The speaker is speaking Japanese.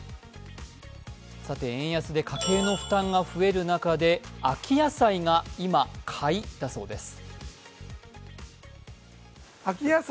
円安で家計の負担が増える中で、秋野菜が今、買いだそうです。